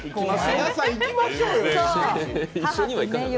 行きましょうよ！